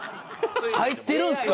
入ってるんですか？